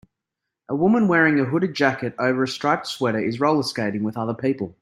A woman wearing a hooded jacket over a striped sweater is rollerskating with other people.